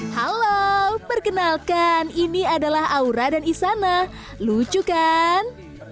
halo perkenalkan ini adalah aura dan isana lucu kan